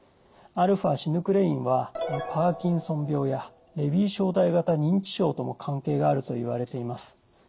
αシヌクレインはパーキンソン病やレビー小体型認知症とも関係があるといわれています。